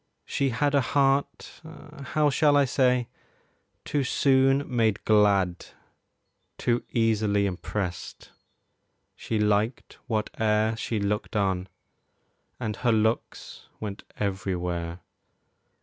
She had A heart how shall I say too soon made glad, Too easily impressed; she liked whate'er She looked on, and her looks went everywhere.